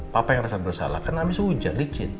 papa yang rasa bersalah kan habis hujan licin